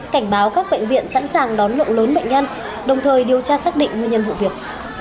cảnh báo các bệnh viện sẵn sàng đón lượng lớn bệnh nhân đồng thời điều tra xác định nguyên nhân vụ việc